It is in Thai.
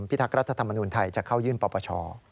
ทักษ์รัฐธรรมนุนไทยจะเข้ายื่นปปช